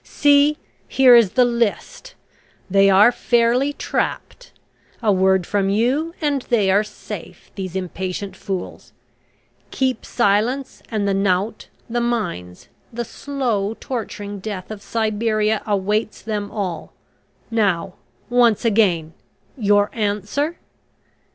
See, here is the list they are fairly trapped a word from you and they are safe these impatient fools. Keep silence and the knout, the mines, the slow torturing death of Siberia, awaits them all. Now, once again your answer?"